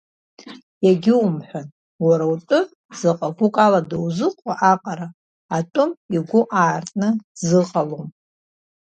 Егьумҳәан, уара утәы заҟа гәыкала дузыҟоу аҟара атәым игәы аартны дзыҟалом…